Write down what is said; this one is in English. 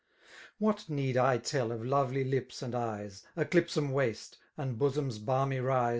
What need I tell of lovely lips and eyes^ A clipsome waist, and bosom's balmy rise.